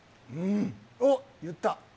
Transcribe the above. おっ、言った。